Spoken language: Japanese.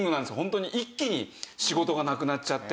ホントに一気に仕事がなくなっちゃって。